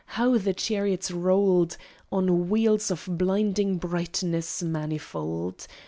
How the chariots rolled On wheels of blinding brightness manifold!